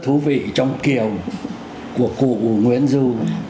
thú vị trong kiều của cụ nguyễn du